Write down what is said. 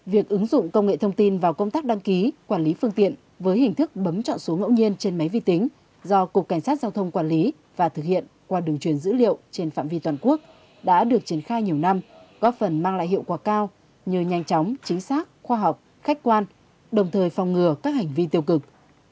việc ứng dụng công nghệ thông tin vào công tác đăng ký quản lý phương tiện với hình thức bấm chọn số ngẫu nhiên trên máy vi tính do cục cảnh sát giao thông quản lý và thực hiện qua đường truyền dữ liệu trên phạm vi toàn quốc đã được triển khai nhiều năm góp phần mang lại hiệu quả cao như nhanh chóng chính xác khoa học khách quan đồng thời phòng ngừa các hành vi tiêu cực